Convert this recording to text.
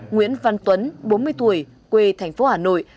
nguyễn văn tuấn bốn mươi tuổi quê thành phố hà nội